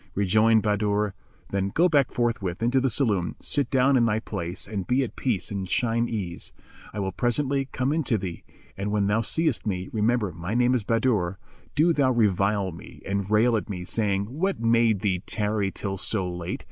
Rejoined Bahadur, "Then go back forthwith into the saloon, sit down in thy place and be at peace and at shine ease; I will presently come in to thee, and when thou seest me (remember my name is Bahadur) do thou revile me and rail at me, saying, 'What made thee tarry till so late?'